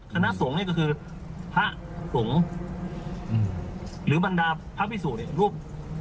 คณะส่งนี่ก็คือพระส่งหรือบรรดาพพิสูจน์รูป